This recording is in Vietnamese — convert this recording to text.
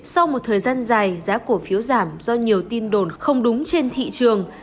sau một thời gian dài giá cổ phiếu giảm do nhiều tin đồn không đúng trên thị trường